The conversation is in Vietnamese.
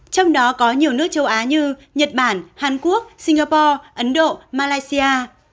trong đó có nhiều nước châu á như nhật bản hàn quốc singapore ấn độ malaysia